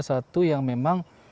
satu yang memang